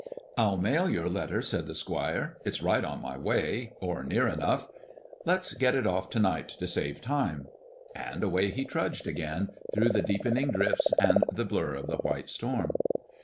"I'll mail your letter," said the squire. "It's right on my way or near enough. Let's get it off to night, to save time." And away he trudged again, through the deepening drifts and the blur of the white storm.